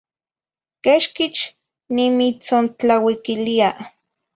Quexquich nimitzontlauiquilia